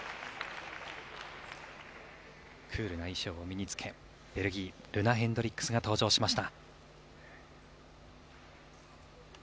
クールな衣装を身に着けベルギールナ・ヘンドリックスが登場しました。